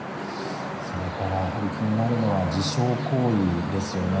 それからやはり気になるのは自傷行為ですよね。